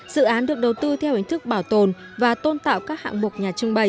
dự án được đầu tư theo hình thức bảo tồn và tôn tạo các hạng mục nhà trưng bày